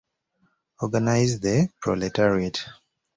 Organize the proletariat.